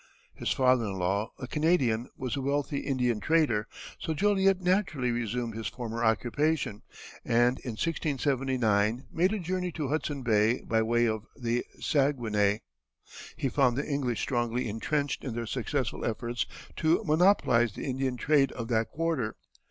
His father in law, a Canadian, was a wealthy Indian trader, so Joliet naturally resumed his former occupation, and in 1679 made a journey to Hudson Bay by way of the Saguenay. He found the English strongly intrenched in their successful efforts to monopolize the Indian trade of that quarter.